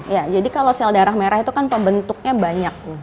ya jadi kalau sel darah merah itu kan pembentuknya banyak